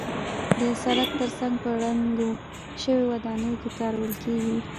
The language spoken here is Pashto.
د سړک تر څنګ په ړنګو شویو ودانیو کې کارول کېږي.